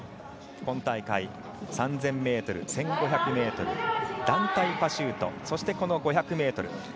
今大会３０００ｍ、１５００ｍ団体パシュート、そして５００ｍ。